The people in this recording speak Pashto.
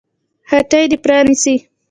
هټۍ دې پرانيستې